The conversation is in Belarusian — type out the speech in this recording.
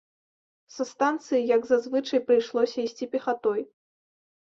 Са станцыі, як за звычай, прыйшлося ісці пехатой.